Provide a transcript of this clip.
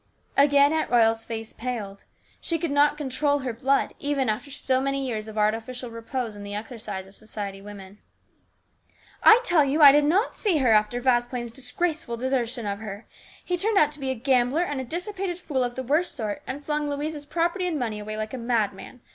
Again Aunt Royal's face paled. She could not control her blood, even after so many years of artificial repose in the exercise of society manners. " I tell you I did not see her after Vasplaine's disgraceful desertion of her. He turned out to be a gambler and a dissipated fool of the worst sort, and flung Louise's property and money away like a madman.